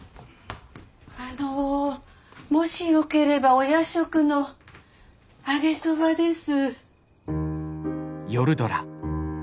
あのもしよければお夜食の揚げそばです。